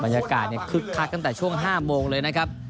คึกคักตั้งแต่ช่วง๕โมงเลยนะครับ